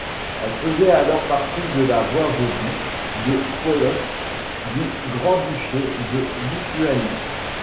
Elle faisait alors partie de la voïvodie de Polotsk du grand-duché de Lituanie.